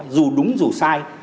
dù đúng dù sai